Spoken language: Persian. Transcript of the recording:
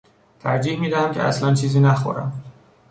ترجیح میدهم که اصلا چیزی نخورم.